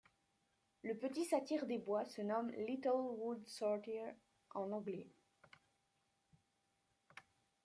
Le Petit satyre des bois se nomme Little Wood Satyr en anglais.